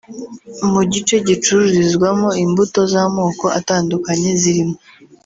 Mu gice gicururizwamo imbuto z’amoko atandukanye zirimo